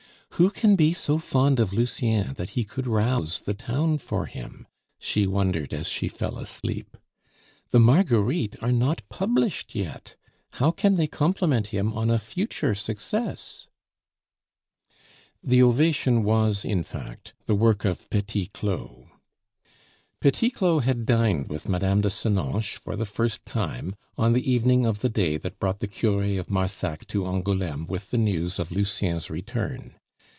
"Who can be so fond of Lucien that he could rouse the town for him?" she wondered as she fell asleep. "The Marguerites are not published yet; how can they compliment him on a future success?" The ovation was, in fact, the work of Petit Claud. Petit Claud had dined with Mme. de Senonches, for the first time, on the evening of the day that brought the cure of Marsac to Angouleme with the news of Lucien's return.